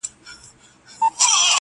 ګورستان ته مي ماشوم خپلوان لېږلي-